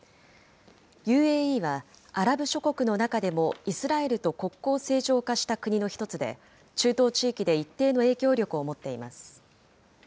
ＵＡＥはアラブ諸国の中でもイスラエルと国交正常化した国の１つで、中東地域で一定の影響力を持っています。